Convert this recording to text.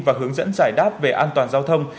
và hướng dẫn giải đáp về an toàn giao thông